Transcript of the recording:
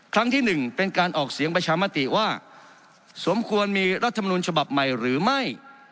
ครั้งที่๑เป็นการออกเสียงประชามติว่าสมควรมีรัฐมนุนฉบับใหม่หรือไม่